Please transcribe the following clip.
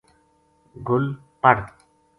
گل پڑ